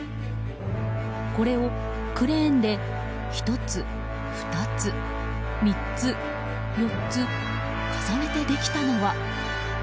これをクレーンで１つ、２つ、３つ、４つ重ねてできたのは。